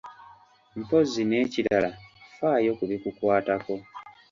Mpozzi n’ekirala faayo ku bikukwatako.